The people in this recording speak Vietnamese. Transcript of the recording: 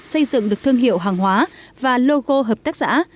xây dựng được thương hiệu hàng hóa và logo hợp tác xã